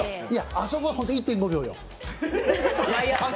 あそこ、ホント１．５秒よ。